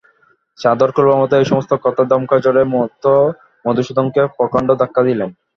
চাদর খোলবামাত্র এই-সমস্ত কথা দমকা ঝড়ের মতো মধুসূদনকে প্রকাণ্ড ধাক্কা দিলে।